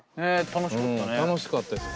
楽しかったです